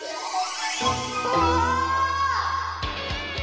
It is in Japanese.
うわ！